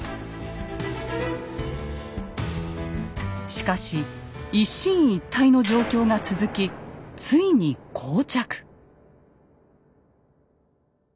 しかし一進一退の状況が続きついにこう着。